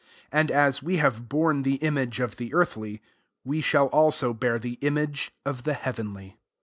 49 And as we have borne the image of the earthly, we shall also bear the image of ^ the heavenly.